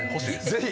ぜひ。